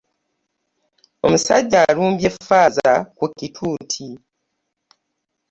Omusajja alumbye faaza ku kituuti.